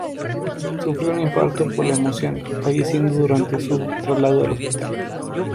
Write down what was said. Sufrió un infarto por la emoción, falleciendo durante su traslado al hospital.